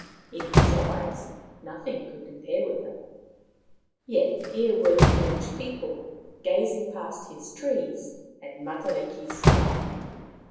In his eyes nothing could compare with them. Yet here were the foolish people gazing past his trees at Matariki's star.